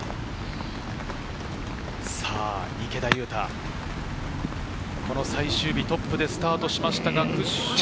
池田勇太、最終日、トップでスタートしましたが。